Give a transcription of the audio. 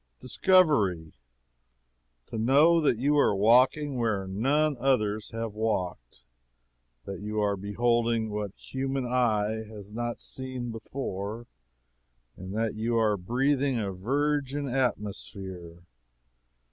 Discovery! To know that you are walking where none others have walked; that you are beholding what human eye has not seen before; that you are breathing a virgin atmosphere.